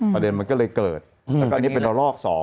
ประเด็นมันก็เลยเกิดแล้วก็อันนี้เป็นระลอก๒